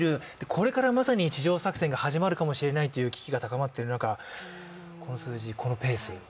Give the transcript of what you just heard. これからまさに地上作戦が始まるかもしれないという危機が高まっている中、この数字、このペース。